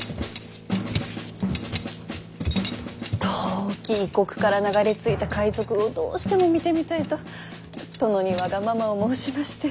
遠き異国から流れ着いた海賊をどうしても見てみたいと殿にわがままを申してまして。